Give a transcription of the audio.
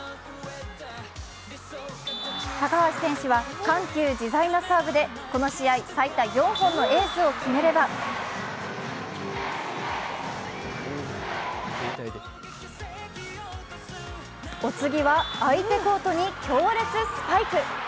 高橋選手は緩急自在なサーブでこの試合、最多４本のエースを決めればお次は相手コートに強烈スパイク！